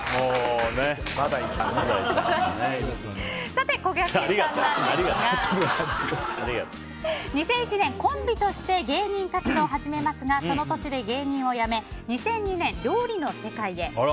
さて、こがけんさんですが２００１年、コンビとして芸人活動を始めますがその年で芸人を辞め２００２年、料理の世界へ。